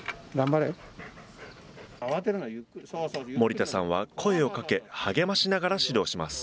森田さんは、声をかけ、励ましながら指導します。